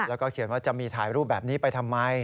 แล้วก็เขียนว่าจะมีถ่ายรูปแบบนี้ไปทำไม